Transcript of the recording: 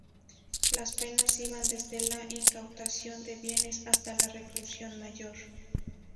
Las penas iban desde la incautación de bienes hasta la reclusión mayor.